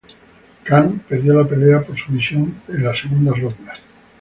Kang perdió la pelea por sumisión en la segunda ronda.